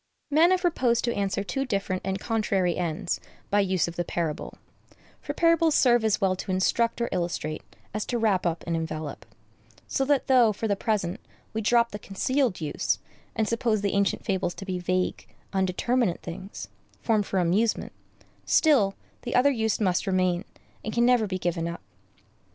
Men have proposed to answer two different and contrary ends by the use of parable; for parables serve as well to instruct or illustrate as to wrap up and envelop; so that though, for the present, we drop the concealed use, and suppose the ancient fables to be vague, undeterminate things, formed for amusement, still, the other use must remain, and can never be given up.